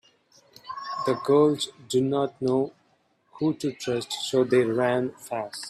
The girls didn’t know who to trust so they ran fast.